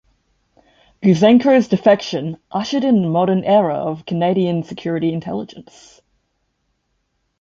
Gouzenko's defection "ushered in the modern era of Canadian security intelligence".